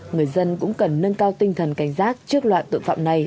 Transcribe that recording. người dân cũng cần nâng cao tinh thần cảnh giác trước loại tội phạm này